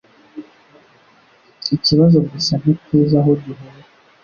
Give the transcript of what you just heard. Ikibazo gusa ntituzi aho duhera.